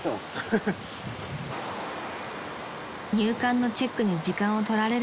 ［入館のチェックに時間を取られるのが